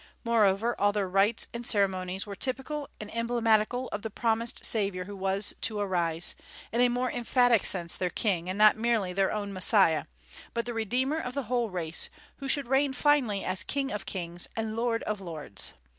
Moreover, all their rites and ceremonies were typical and emblematical of the promised Saviour who was to arise; in a more emphatic sense their King, and not merely their own Messiah, but the Redeemer of the whole race, who should reign finally as King of kings and Lord of lords.